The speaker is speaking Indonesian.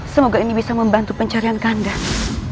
semoga ini bisa membantu pencarian kandang